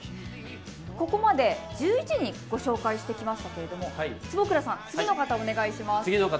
ここまで、１１人ご紹介してきましたけれども坪倉さん、次の方お願いします。